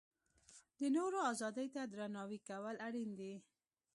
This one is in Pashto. د نورو ازادۍ ته درناوی کول اړین دي.